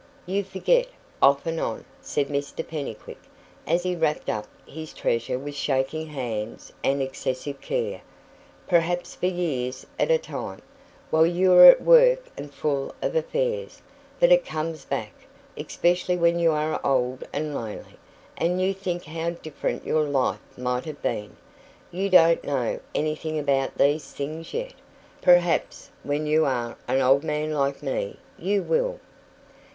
"You forget, off and on," said Mr Pennycuick, as he wrapped up his treasure with shaking hands and excessive care "perhaps for years at a time, while you are at work and full of affairs; but it comes back especially when you are old and lonely, and you think how different your life might have been. You don't know anything about these things yet. Perhaps, when you are an old man like me, you will."